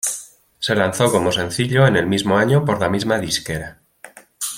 Se lanzó como sencillo en el mismo año por la misma disquera.